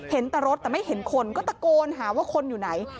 เห็นแต่รถแต่ไม่เห็นคนก็ตะโกนหาว่าคนอยู่ไหน